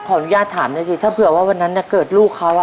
ขออนุญาตถามหน่อยสิถ้าเผื่อว่าวันนั้นเกิดลูกเขา